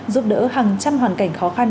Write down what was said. giúp đỡ hàng trăm hoàn cảnh khó khăn